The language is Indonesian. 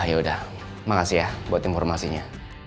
yaudah makasih ya buat informasinya